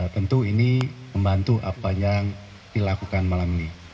tentu ini membantu apa yang dilakukan malam ini